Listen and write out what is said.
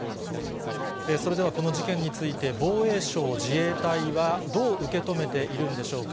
それでは、この事件について、防衛省・自衛隊はどう受け止めているんでしょうか。